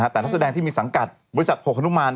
แต่นักแสดงที่มีสังกัดบริษัทโหฮนุมาน